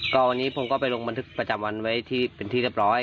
ก็วันนี้ผมก็ไปลงบันทึกประจำวันไว้ที่เป็นที่เรียบร้อย